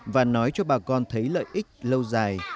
và nói cho bà con thấy lợi ích lâu dài